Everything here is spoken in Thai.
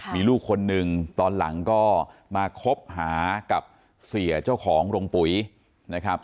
มีลูกคนหนึ่งตอนหลังก็มาคบหากับเสียเจ้าของโรงปุ๋ยนะครับ